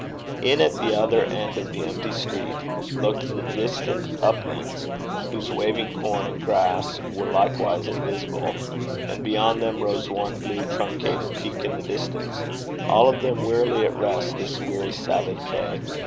In at the other end of the empty street, looked the distant uplands, whose waving corn and grass were likewise invisible, and beyond them rose one blue truncated peak in the distance, all of them wearily at rest this weary Sabbath day.